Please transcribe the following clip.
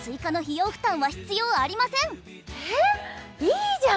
いいじゃん！